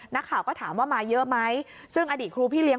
นักข่าวก็ถามว่ามาเยอะไหมซึ่งอดีตครูพี่เลี้ย